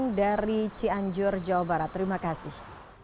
langsung dari cianjur jawa barat terima kasih